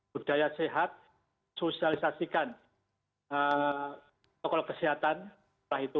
budaya sehat sosialisasikan protokol kesehatan setelah itu